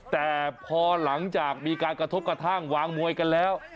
แต่พอหลังจากมีการกระทบกระทั่งวางมวยกันแล้ว